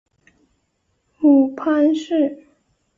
母潘氏。